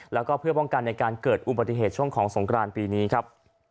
แล้วก็เพื่อป้องกันในการเกิดอุบัติเหตุช่วงของสงครานปีนี้ครับ